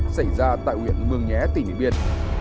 xảy ra tại huyện bường nhé tỉnh điện biên